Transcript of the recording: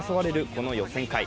この予選会。